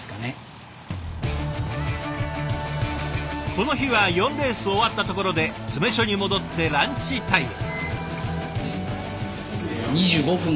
この日は４レース終わったところで詰め所に戻ってランチタイム。